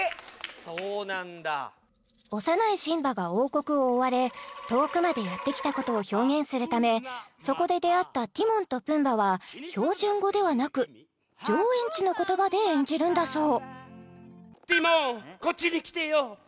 そうなんだ幼いシンバが王国を追われ遠くまでやって来たことを表現するためそこで出会ったティモンとプンバァは標準語ではなく上演地の言葉で演じるんだそう